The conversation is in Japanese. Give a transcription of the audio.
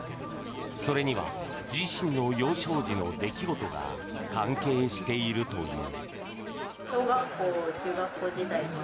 それには自身の幼少時の出来事が関係しているという。